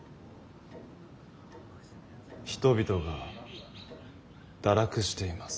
人々が堕落しています。